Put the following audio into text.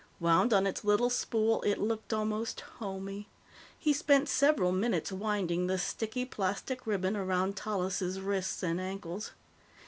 Wound on its little spool, it looked almost homey. He spent several minutes winding the sticky plastic ribbon around Tallis' wrists and ankles.